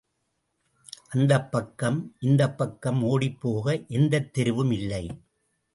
அந்தப் பக்கம், இந்தப் பக்கம் ஓடிப் போக எந்தத் தெருவும் இல்லை.